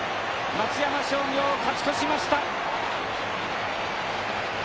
松山商業勝ち越しました。